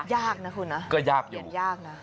ยากนะคุณนะก็ยากเย็นยากนะ